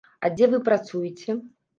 А дзе вы працуеце?